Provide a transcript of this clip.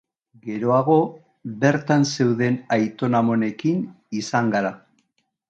Geroago, bertan zeuden aitona-amonekin izan gara.